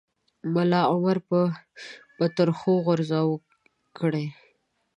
ملا عمر به تر خوله غورځار کړي.